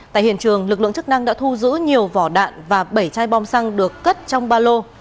tại hiện trường lực lượng chức năng đã thu giữ nhiều vỏ đạn và bảy chai bom xăng được cất trong ba lô